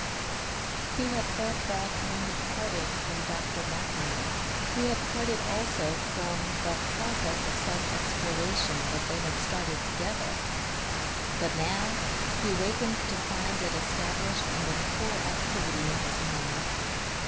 He had thought that when he parted from Dr. Martineau he had parted also from that process of self exploration that they had started together, but now he awakened to find it established and in full activity in his mind.